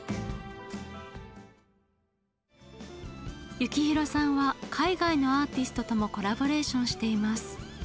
幸宏さんは海外のアーティストともコラボレーションしています。